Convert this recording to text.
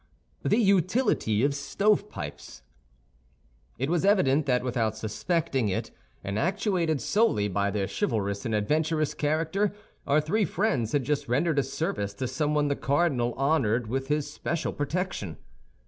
THE UTILITY OF STOVEPIPES It was evident that without suspecting it, and actuated solely by their chivalrous and adventurous character, our three friends had just rendered a service to someone the cardinal honored with his special protection.